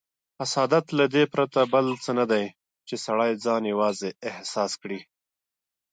حسادت له دې پرته بل څه نه دی، چې سړی ځان یوازې احساس کړي.